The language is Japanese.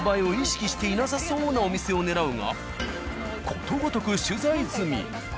を狙うがことごとく取材済み。